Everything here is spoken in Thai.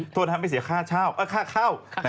โทษนะครับไม่เสียค่าเช่าเอ้าค่าข้าว